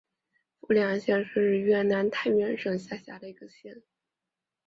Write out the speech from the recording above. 富良县是越南太原省下辖的一个县。